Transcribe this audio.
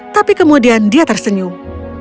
tapi kemudian dia tersenyum